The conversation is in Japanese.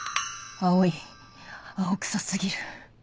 青い青くさ過ぎる